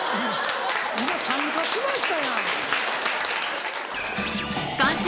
今今参加しましたやん！